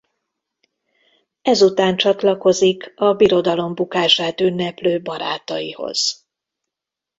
Ezután csatlakozik a Birodalom bukását ünneplő barátaihoz.